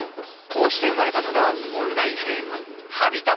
こうして生まれたのがオンラインゲーム「ＨＡＢＩＴＡＴ」。